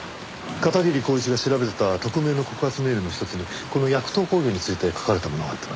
片桐晃一が調べてた匿名の告発メールのひとつにこのヤクトー工業について書かれたものがあったので。